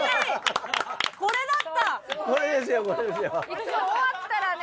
いつも終わったらね。